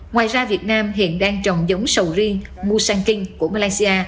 ngoài ra việt nam hiện đang trồng giống sầu riêng mosanking của malaysia